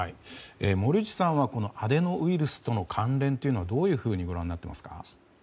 森内さんはこのアデノウイルスとの関連はどういうふうにご覧になっていますか？